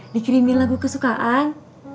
dikirimin lagu kesukaan